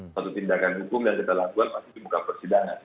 suatu tindakan hukum yang kita lakukan pasti dibuka persidangan